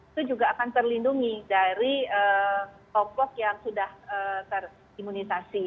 itu juga akan terlindungi dari toplok yang sudah terimunisasi